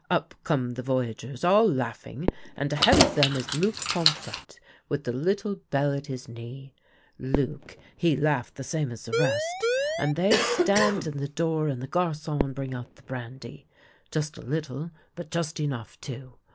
Up come the voyageurs, all laughing, and ahead of them is Luc Pomfrctte, with the little bell at his knee. Luc, he laugh the same as the rest, and they stand in tlie door, and the £; ar(on bring out the brandy — just a little, but just enough too.